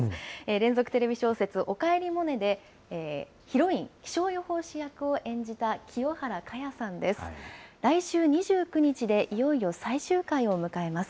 連続テレビ小説、おかえりモネで、ヒロイン、気象予報士役を演じた清原果耶さんです。